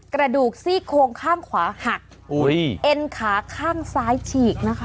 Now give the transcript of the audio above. กระดูกซี่โครงข้างขวาหักเอ็นขาข้างซ้ายฉีกนะคะ